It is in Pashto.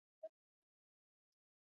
په افغانستان کې د جلګه تاریخ اوږد دی.